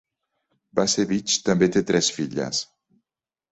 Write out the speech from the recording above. Bacevich també té tres filles.